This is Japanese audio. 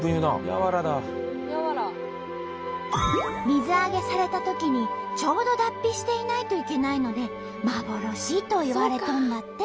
水揚げされたときにちょうど脱皮していないといけないので幻といわれとんだって。